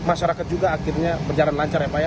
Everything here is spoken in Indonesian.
masyarakat juga akhirnya berjalan lancar ya pak ya